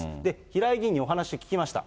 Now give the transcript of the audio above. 平井議員にお話聞きました。